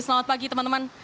selamat pagi teman teman